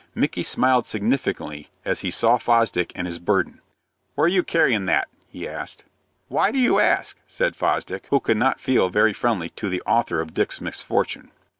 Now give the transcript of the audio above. Micky smiled significantly as he saw Fosdick and his burden. "Where are you carryin' that?" he asked. "Why do you ask?" said Fosdick, who could not feel very friendly to the author of Dick's misfortune.